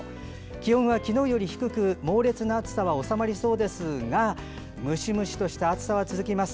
気温は昨日より低く猛烈な暑さは収まりそうですがムシムシとした暑さは続きます。